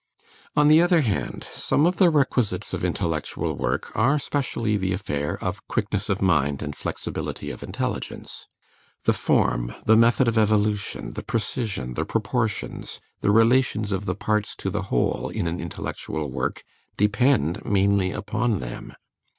On the other hand, some of the requisites of intellectual work are specially the affair of quickness of mind and flexibility of intelligence. The form, the method of evolution, the precision, the proportions, the relations of the parts to the whole, in an intellectual work, depend mainly upon them.